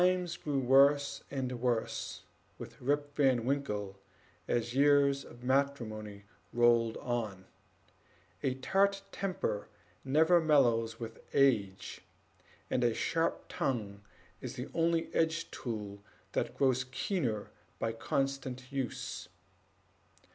Times grew worse and worse with Rip Van Winkle as years of matrimony rolled on; a tart temper never mellows with age, and a sharp tongue is the only edged tool that grows keener with constant use.